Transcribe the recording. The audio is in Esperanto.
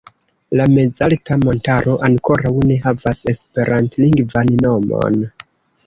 La mezalta montaro ankoraŭ ne havas esperantlingvan nomon.